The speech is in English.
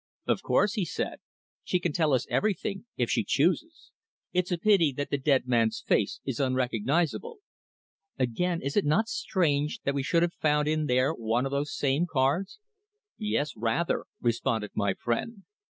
"Of course," he said. "She can tell us everything if she chooses. It's a pity that the dead man's face is unrecognisable." "Again, is it not strange that we should have found in there one of those same cards?" "Yes, rather," responded my friend.